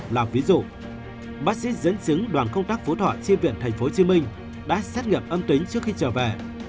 làm ví dụ bác sĩ dân chứng đoàn công tác phú thọ trên viện tp hcm đã xét nghiệm âm tính trước khi trở về